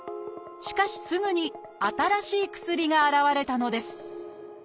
しかしすぐに新しい薬が現れたのです。